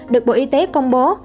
được bộ y tế công bố